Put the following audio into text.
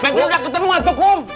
pebri udah ketemu tuh kum